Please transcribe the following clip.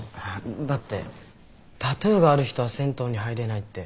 だってタトゥーがある人は銭湯に入れないって。